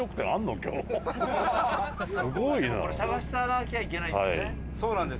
すごいな。